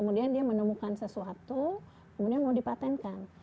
kemudian dia menemukan sesuatu kemudian mau dipatenkan